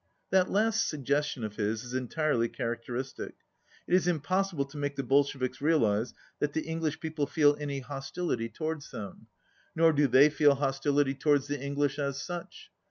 That last suggestion of his is entirely character istic. It is impossible to make the Bolsheviks realize that the English people feel any hostility towards them. Nor do they feel hostility towards 106 the English as such.